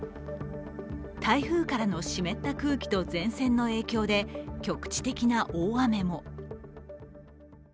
台風からの湿った空気と前線の影響で局地的な大雨も。